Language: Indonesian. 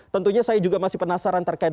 tentunya saya juga masih penasaran terkait